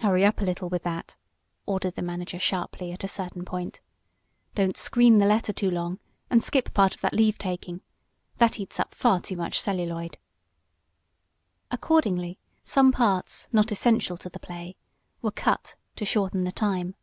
"Hurry a little with that," ordered the manager sharply, at a certain point. "Don't 'screen' the letter too long, and skip part of that leave taking. That eats up far too much celluloid." Accordingly some parts, not essential to the play, were "cut" to shorten the time.